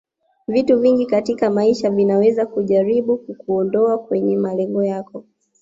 Vitu vingi katika maisha vinaweza kujaribu kukuondoa kwenye malengo yako